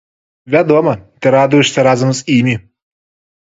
Вядома, ты радуешся разам з імі.